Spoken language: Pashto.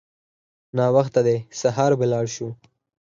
ناوخته دی سهار به لاړ شو.